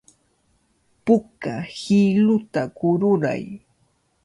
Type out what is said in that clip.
Puka hiluta kururay.